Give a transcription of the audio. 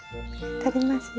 とりますよ。